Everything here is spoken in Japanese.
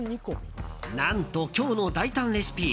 何と今日の大胆レシピ